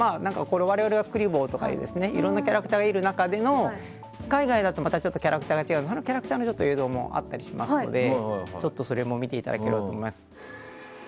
我々はクリボーとかっていういろんなキャラクターがいる中での海外だとまたキャラクターが違うのでそのキャラクターの映像もあったりしますので、それも見ていただければと思います。